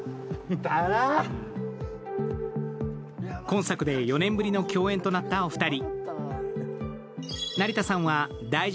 今作で４年ぶりの共演となったお二人。